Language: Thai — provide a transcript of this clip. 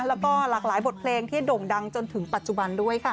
แล้วก็หลากหลายบทเพลงที่โด่งดังจนถึงปัจจุบันด้วยค่ะ